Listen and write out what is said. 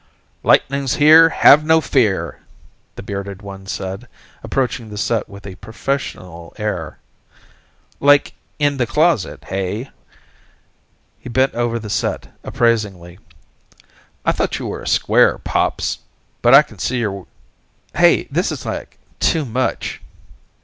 "Lightning's here, have no fear," the bearded one said, approaching the set with a professional air. "Like, in the closet, hey." He bent over the set, appraisingly. "I thought you were a square, Pops, but I can see you're.... Hey, this is like too much.